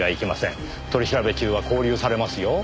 取り調べ中は勾留されますよ。